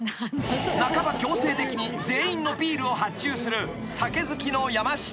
［半ば強制的に全員のビールを発注する酒好きの山下］